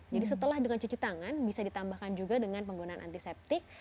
jadi setelah dengan cuci tangan bisa ditambahkan juga dengan penggunaan antiseptik